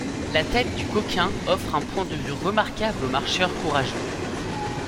La tête du Coquin offre un point de vue remarquable au marcheur courageux.